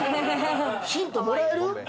ヒントもらえる？